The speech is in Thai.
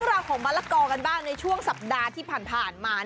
เรื่องมะละโกะของมะละโกะใบ้ช่วงสัปดาห์ที่ผ่านมา